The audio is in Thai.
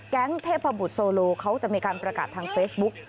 เทพบุตรโซโลเขาจะมีการประกาศทางเฟซบุ๊ก